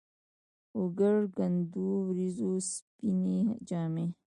اوکر کنډو ، وریځو سپيني جامې